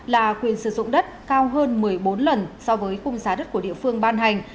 là quyền sử dụng đất cao hơn một mươi bốn lần so với cung giá đất của địa phương ban hành